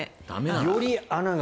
より穴が。